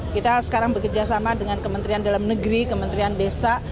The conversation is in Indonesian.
kita sekarang bekerjasama dengan kementerian dalam negeri kementerian desa